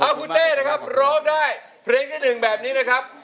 เอาคุณเต้นะครับร้องได้เพลงที่๑แบบนี้นะครับ